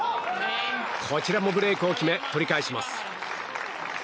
こちらもブレークを決め取り返します。